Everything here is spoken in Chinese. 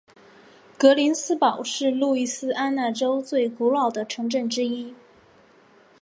格林斯堡是路易斯安那州最古老的城镇之一。